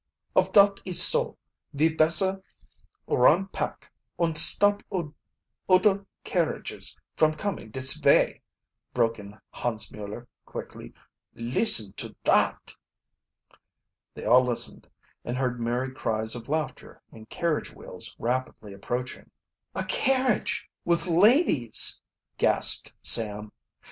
"Of dot is so, ve besser run pack und stop udder carriages from comin' dis vay," broke in Hans Mueller quickly. "Listen to dot!" They all listened, and heard merry cries of laughter and carriage wheels rapidly approaching. "A carriage with ladies!" gasped Sam.